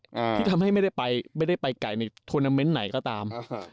ที่ทำให้ไม่ได้ไปใกล่ในหวงตอนไหนก็ตาม